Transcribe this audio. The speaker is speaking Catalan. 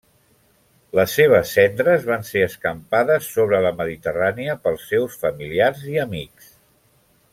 Les seves cendres van ser escampades sobre la Mediterrània pels seus familiars i amics.